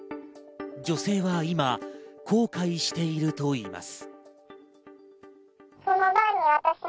女性は今、後悔しているといいます。